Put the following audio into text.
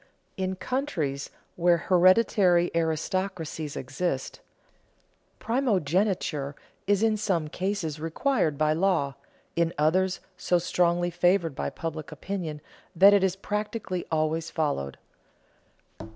In countries where hereditary aristocracies exist, primogeniture is in some cases required by law, in others so strongly favored by public opinion that it is practically always followed.